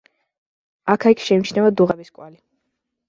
აქა-იქ შეიმჩნევა დუღაბის კვალი.